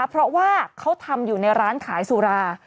เพราะว่าเขาทำอยู่ในร้านขายสุรา